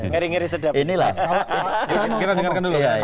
kita dengarkan dulu